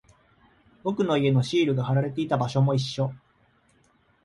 僕の家のシールが貼られていた場所も一緒。